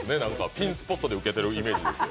ピンスポットで受けてるイメージですよ。